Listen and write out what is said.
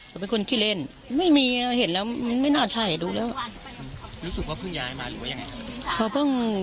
เขาเป็นคนขี้เล่นไม่มีเห็นแล้วไม่น่าใช่ดูแล้วรู้สึกว่าเพิ่งย้ายมา